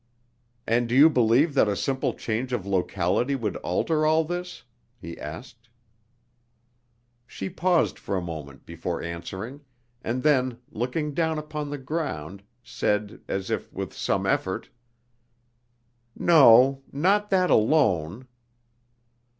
"And do you believe that a simple change of locality would alter all this?" he asked. She paused for a moment before answering, and then, looking down upon the ground, said as if with some effort: "No, not that alone."